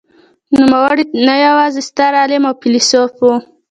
نوموړی نه یوازې ستر عالم او فیلسوف و.